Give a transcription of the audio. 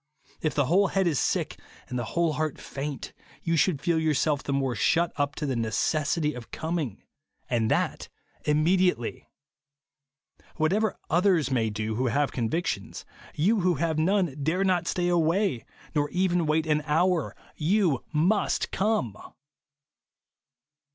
If the whole head is sick and the whole heart faint, you should feel yourself the more shut up to the necessity of coming, — and that imme diately. Whatever others may do who have convictions, you who have none dare not stay away, nor even wait an hour. Tou MUST come